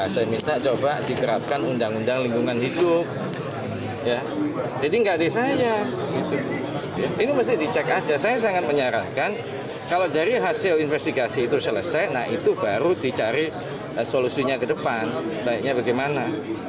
setelah investigasi itu selesai nah itu baru dicari solusinya ke depan baiknya bagaimana